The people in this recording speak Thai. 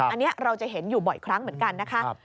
อันนี้เราจะเห็นอยู่บ่อยครั้งเหมือนกันนะคะ